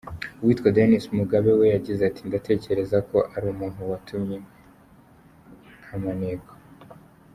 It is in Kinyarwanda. Uwitwa Dennis Mugabe we yagize ati “Ndatekereza ko ari umuntu watumwe nka maneko”.